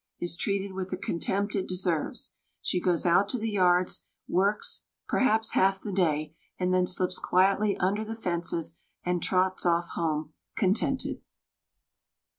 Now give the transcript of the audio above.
is treated with the contempt it deserves. She goes out to the yards, works, perhaps half the day, and then slips quietly under the fences and trots off home, contented.